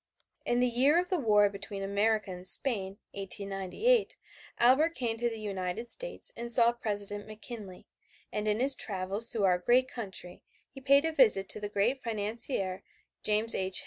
In the year of the war between America and Spain, 1898, Albert came to the United States and saw President McKinley, and in his travels through our great country he paid a visit to the great financier James J.